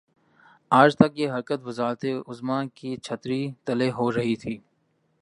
آج تک یہ حرکت وزارت عظمی کی چھتری تلے ہو رہی تھی۔